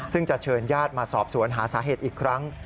ซึ่งจะเชิญญาติมาสอบสวนหาสาเหตุอีกครั้ง